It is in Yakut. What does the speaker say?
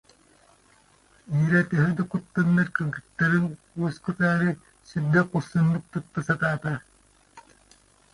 Ира, төһө да куттаннар, кыргыттарын уоскутаары сүрдээх хорсуннук тутта сатаата